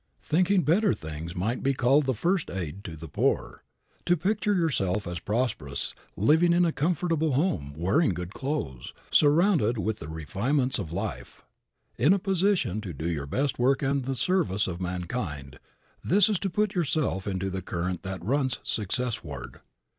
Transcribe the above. Thinking better things might be called the first aid to the poor. To picture yourself as prosperous, living in a comfortable home, wearing good clothes, surrounded with the refinements of life, in a position to do your best work in the service of mankind, this is to put yourself into the current that runs successward.